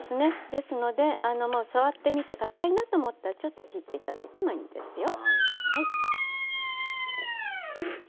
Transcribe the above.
ですので触ってみてかたいなと思ったらちょっと切って頂いてもいいですよ。